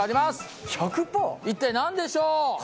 一体なんでしょう？